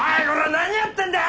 何やってんだよ！